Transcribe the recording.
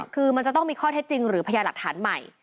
คือมันจะต้องมีข้อเท็จจริงหรือพยาหลักฐานใหม่